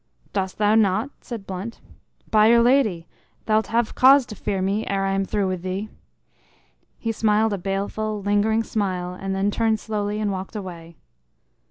"Dost thou not?" said Blunt. "By'r Lady, thou'lt have cause to fear me ere I am through with thee." He smiled a baleful, lingering smile, and then turned slowly and walked away.